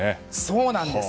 そうなんです。